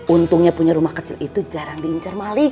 untungnya punya rumah kecil itu jarang diincar malik